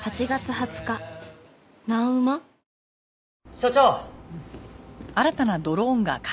所長！